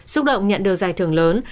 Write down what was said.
xúc động nhận được giải thưởng lớn